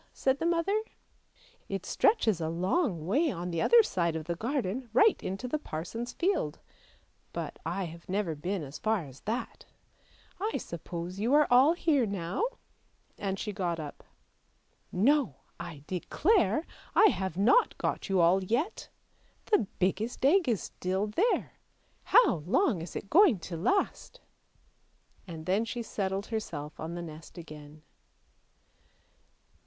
" said the mother. " It stretches a long way on the other side of the garden, right into the parson's field; but I have never been as far as that! I suppose you are all here now? " and she got up. " No! I declare I have not got you all yet! The biggest egg is still there; how long is it going to last? " and then she settled herself on the nest again.